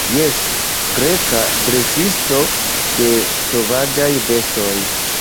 Jes, Greka dresisto de sovaĝaj bestoj.